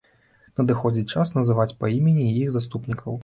Надыходзіць час называць па імені і іх заступнікаў.